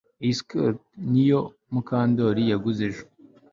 Iyi skirt niyo Mukandoli yaguze ejo